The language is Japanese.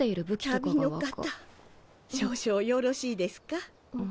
旅の方少々よろしいですか？